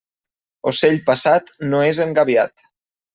Ocell passat no és engabiat.